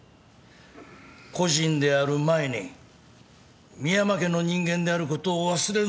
個人である前に深山家の人間であることを忘れるな。